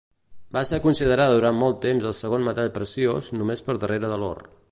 Va ser considerada durant molt temps el segon metall preciós, només per darrere de l'or.